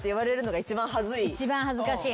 一番恥ずかしい。